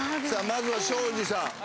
まずは庄司さん